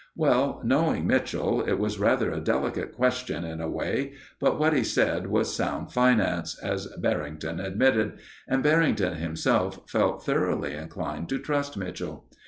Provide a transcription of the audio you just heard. Well, knowing Mitchell, it was rather a delicate question in a way; but what he said was sound finance, as Barrington admitted, and Barrington himself felt thoroughly inclined to trust Mitchell.